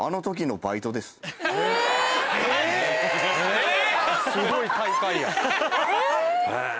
えっ！